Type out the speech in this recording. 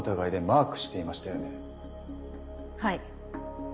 はい。